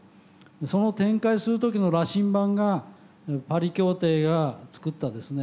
その展開する時の羅針盤がパリ協定が作ったですね